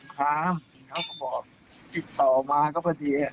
เขาบอกกินต่อมาก็พอดี